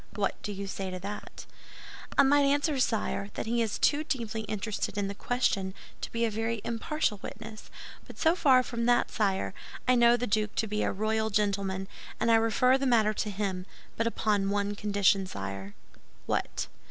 What do you say to that?" "I might answer, sire, that he is too deeply interested in the question to be a very impartial witness; but so far from that, sire, I know the duke to be a royal gentleman, and I refer the matter to him—but upon one condition, sire." "What?"